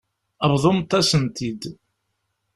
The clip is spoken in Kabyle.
Bḍumt-asen-t-id.